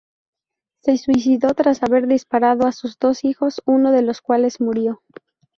Se suicidó tras haber disparado a sus dos hijos, uno de los cuales murió.